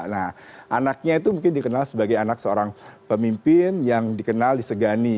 nah anaknya itu mungkin dikenal sebagai anak seorang pemimpin yang dikenal disegani